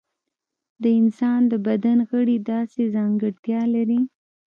د انسان د بدن غړي داسې ځانګړتیا لري.